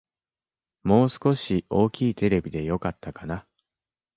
もう少し大きいテレビでよかったかな